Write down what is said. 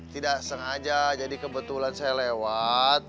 tidak sengaja jadi kebetulan saya lewat